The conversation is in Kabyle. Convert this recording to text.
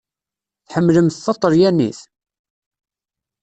Tḥemmlemt taṭelyanit?